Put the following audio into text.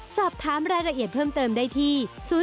สอบถามรายละเอียดเพิ่มเติมได้ที่๐๒๓๔๑๗๗๗๗